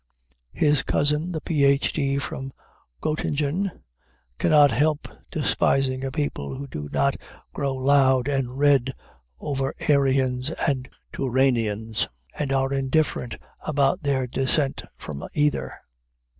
His cousin, the Ph.D. from Göttingen, cannot help despising a people who do not grow loud and red over Aryans and Turanians, and are indifferent about their descent from either.